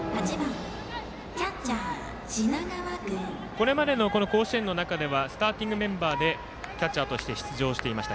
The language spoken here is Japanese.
これまでの甲子園の中ではスターティングメンバーでキャッチャーとして出場していました。